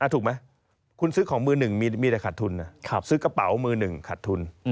ถูกไหมคุณซื้อของมือหนึ่งมีแต่ขาดทุนซื้อกระเป๋ามือหนึ่งขาดทุน